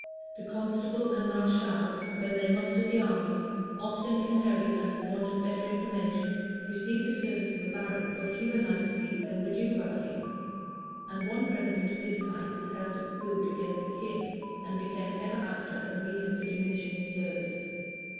The constable and mareschal, when they mustered the armies, often in a hurry, and for want of better information, received the service of a baron for fewer knights' fees than were due by him; and one precedent of this kind was held good against the king, and became ever after a reason for diminishing the service.